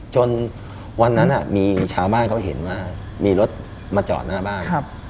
จนวันนั้นมีชาวบ้านเขาเห็นว่ามีรถมาจอดหน้าบ้าน